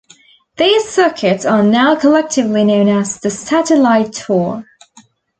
These circuits are now collectively known as the Satellite Tour.